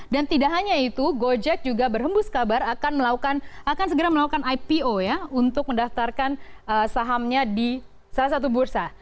dan tidak hanya itu gojek juga berhembus kabar akan melakukan akan segera melakukan ipo ya untuk mendaftarkan sahamnya di salah satu bursa